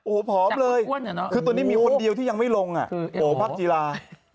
โอ้โหผอมเลยคือตัวนี้มีคนเดียวที่ยังไม่ลงอ่ะโหพักกีฬา